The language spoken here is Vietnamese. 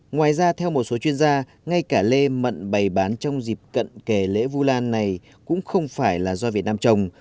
ngoài ra theo một số chuyên gia ngay cả lê mận bày bán trong dịp cận kề lễ vu lan này cũng không phải là do việt nam trồng